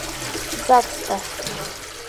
Загста.